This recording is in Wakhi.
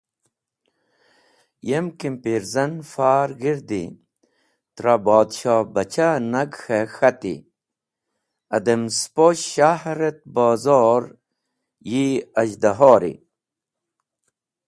Yem kimpirzan far g̃hirdi trẽ Podshohbachah nag k̃hẽ k̃hati: “Adem spo s̃hahr et bozor yi az̃hdahori.